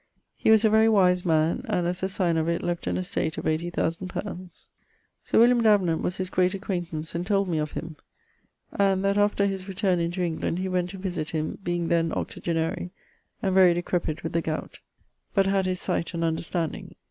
He was a very wise man, and as a signe of it left an estate of 80,000 li. Sir William Davenant was his great acquaintance and told me of him, and that after his returne into England he went to visit him, being then octogenary, and very decrepit with the gowt, but had his sight and understanding.